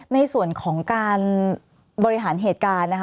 ในส่วนของการบริหารเหตุการณ์นะคะ